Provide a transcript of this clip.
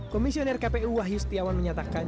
komisioner kpu wahyu setiawan menyatakan